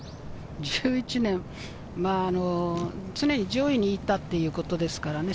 １１年、常に上位にいたということですからね。